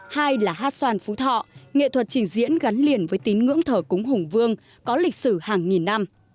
hai là hát xoan phú thọ nghệ thuật trình diễn gắn liền với tín ngưỡng thờ cúng hùng vương có lịch sử hàng nghìn năm